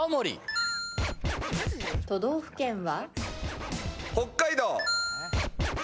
都道府県は？